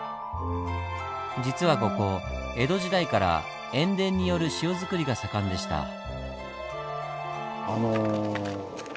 実はここ江戸時代から塩田による塩作りが盛んでした。